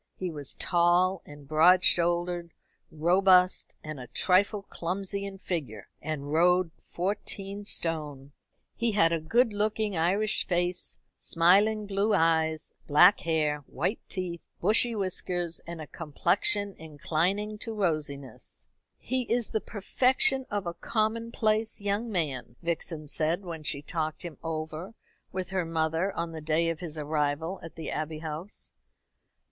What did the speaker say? He was tall and broad shouldered, robust, and a trifle clumsy in figure, and rode fourteen stone. He had a good looking Irish face, smiling blue eyes, black hair, white teeth, bushy whiskers, and a complexion inclining to rosiness. "He is the perfection of a commonplace young man," Vixen said, when she talked him over with her mother on the day of his arrival at the Abbey House.